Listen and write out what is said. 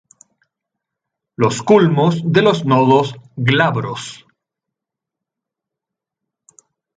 Los culmos de los nodos glabros.